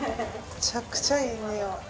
めちゃくちゃいいにおい。